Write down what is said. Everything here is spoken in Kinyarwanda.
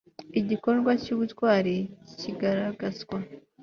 igikorwa cy'ubutwari kigaragazwa